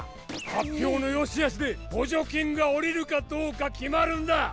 発表の善しあしで補助金がおりるかどうか決まるんだ！